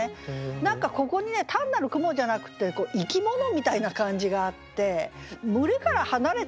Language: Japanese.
何かここにね単なる雲じゃなくて生き物みたいな感じがあって群れから離れた鰯かな？